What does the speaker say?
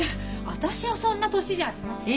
私はそんな年じゃありません。